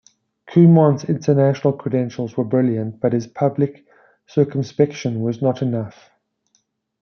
Cumont's international credentials were brilliant, but his public circumspection was not enough.